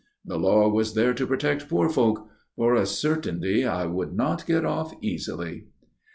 The law was there to protect poor folk. For a certainty I would not get off easily.